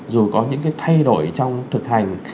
dù có những cái thay đổi trong thực hành